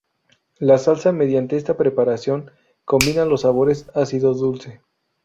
La salsa, mediante esta preparación, combina los sabores ácido-dulce.